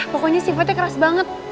pokoknya sifatnya keras banget